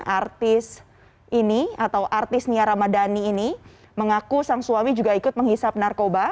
artis ini atau artis nia ramadhani ini mengaku sang suami juga ikut menghisap narkoba